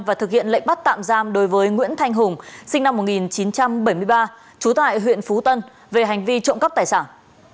và thực hiện lệnh bắt tạm giam đối với nguyễn thanh hùng sinh năm một nghìn chín trăm bảy mươi ba trú tại huyện phú tân về hành vi trộm cắp tài sản